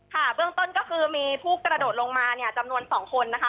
เบื้องต้นก็คือมีผู้กระโดดลงมาเนี่ยจำนวน๒คนนะคะ